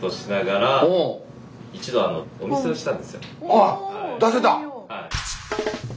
ああ出せた？